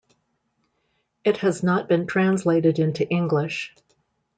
It has not been translated into English.